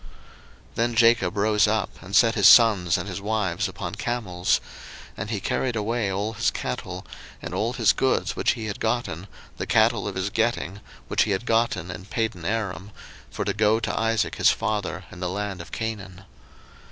01:031:017 Then Jacob rose up, and set his sons and his wives upon camels; 01:031:018 And he carried away all his cattle, and all his goods which he had gotten, the cattle of his getting, which he had gotten in Padanaram, for to go to Isaac his father in the land of Canaan.